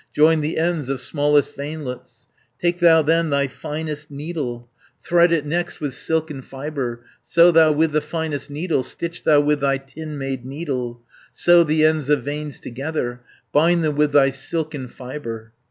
Join the ends of smallest veinlets. "Take thou then thy finest needle, Thread it next with silken fibre, Sew thou with the finest needle, Stitch thou with thy tin made needle, Sew the ends of veins together, Bind them with thy silken fibre.